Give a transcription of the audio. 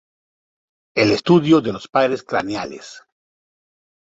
El Estudio de los Pares Craneales.